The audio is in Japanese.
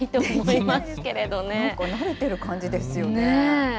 なんか慣れてる感じですよね。